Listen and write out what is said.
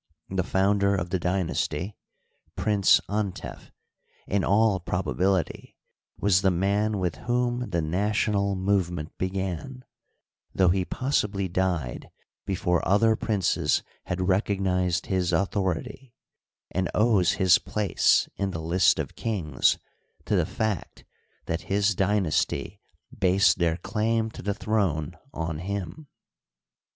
The founder of the dynasty. Prince Antef, in all probability was the man with whom the national movement began, though he possibly died before other princes had recognized his authority, and owes his place in the list of kings to the fact that his dynasty based their claim to the throne on him.